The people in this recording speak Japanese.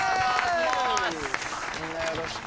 みんなよろしく。